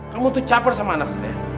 kamu itu caper sama anak saya